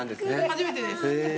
初めてです。